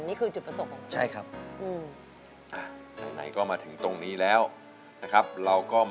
นี่คือจุดประสงค์ของคุณนะครับอืม